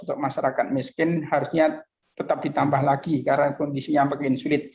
untuk masyarakat miskin harusnya tetap ditambah lagi karena kondisi yang sedikit sulit